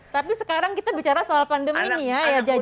tapi sekarang kita bicara soal pandemi nih ya ayah jajah ya